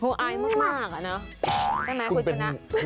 พูดอ้ายมากเลยนะ